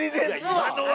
今のは？